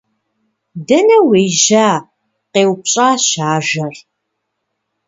- Дэнэ уежьа? - къеупщӏащ ажэр.